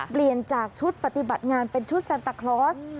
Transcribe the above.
เปลี่ยนจากชุดปฏิบัติงานเป็นชุดซันตาคลอส